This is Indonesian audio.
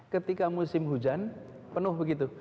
ketika musim hujan penuh begitu